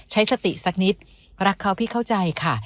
ใช้สติสักนิดรักเขาพี่เข้าใจค่ะ